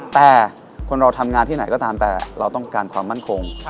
แต่คนเราทำงานที่ไหนก็ตามแต่เราต้องการความมั่นคง